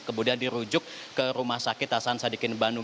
kemudian dirujuk ke rumah sakit hasan sadikin bandung